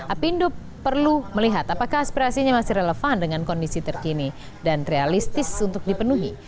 apindo perlu melihat apakah aspirasinya masih relevan dengan kondisi terkini dan realistis untuk dipenuhi